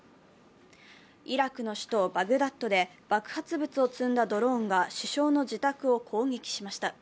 イラクの首都バグダッドで爆発物を積んだドローンが首相の自宅を攻撃しました。